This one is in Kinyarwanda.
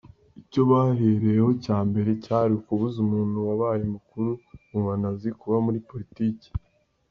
Icyo bahereyeho cya mbere cyari ukubuza umuntu wabaye mukuru muba Nazi kuba muri politiki.